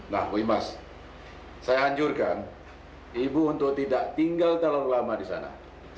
nah wimas saya anjurkan ibu untuk tidak tinggal terlalu lama di sana